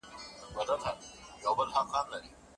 کله چې روغ چاپېریال وي، هوساینه ټینګېږي.